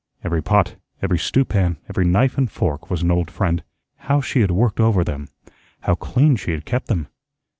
Every pot, every stewpan, every knife and fork, was an old friend. How she had worked over them! How clean she had kept them!